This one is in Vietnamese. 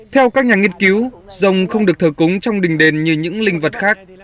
theo các nhà nghiên cứu rồng không được thờ cúng trong đình đền như những linh vật khác